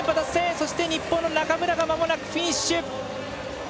そして、日本の中村がフィニッシュ。